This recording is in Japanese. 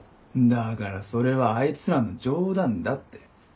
だからそれはあいつらの冗談だって。